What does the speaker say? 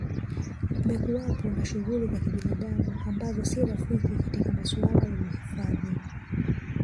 Kumekuwapo na shughuli za kinabadamu ambazo si rafiki katika masuala ya uhifadhi